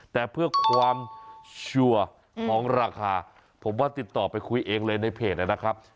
แต่เพื่อความชัวร์ของราคาผมว่าติดต่อไปคุยเองเลยในเพจนะครับ